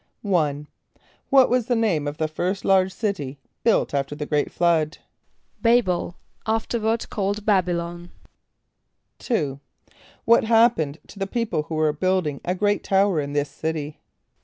=1.= What was the name of the first large city built after the great flood? =B[=a]´bel, afterward called B[)a]b´[)y] lon.= =2.= What happened to the people who were building a great tower in this city?